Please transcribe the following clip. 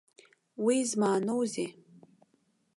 Уи змааноузеи?